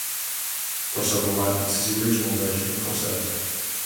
CrossOver Linux is the original version of CrossOver.